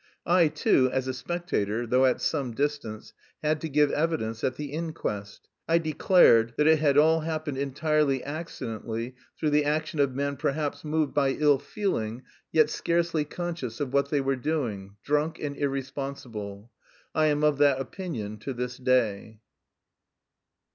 I too, as a spectator, though at some distance, had to give evidence at the inquest. I declared that it had all happened entirely accidentally through the action of men perhaps moved by ill feeling, yet scarcely conscious of what they were doing drunk and irresponsible. I am of that opinion to this day.